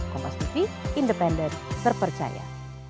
kompas tv independen berpercaya